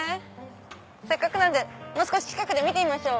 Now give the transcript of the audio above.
せっかくなんでもう少し近くで見てみましょう。